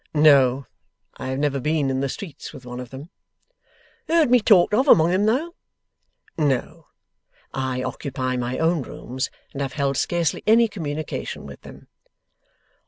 'No. I have never been in the streets with one of them.' 'Heard me talked of among 'em, though?' 'No. I occupy my own rooms, and have held scarcely any communication with them.